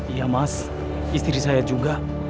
iya mas istri saya juga